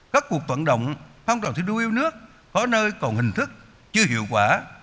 các cuộc vận động phong trọng thi đu yếu nước khó nơi còn hình thức chưa hiệu quả